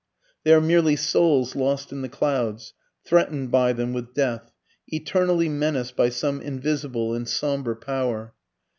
They are merely souls lost in the clouds, threatened by them with death, eternally menaced by some invisible and sombre power.